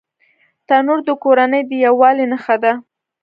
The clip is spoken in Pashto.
تنور د کورنۍ د یووالي نښه ده